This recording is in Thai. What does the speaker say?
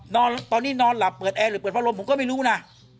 ตอนนี้นอนหลับเปิดแอร์หรือเปิดพัดลมผมก็ไม่รู้นะ